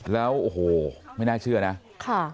แล้วโอ้โหไม่น่าเชื่อนะค่ะ